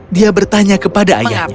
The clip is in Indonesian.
dia bertanya kepada ayahnya